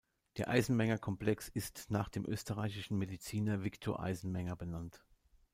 Der Eisenmenger-Komplex ist nach dem österreichischen Mediziner Victor Eisenmenger benannt.